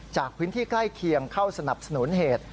จากพื้นที่ใกล้เคียงเข้าสนับสนุนเหตุ